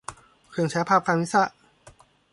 เครื่องฉายภาพข้ามศีรษะ